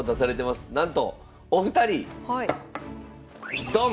なんとお二人ドン！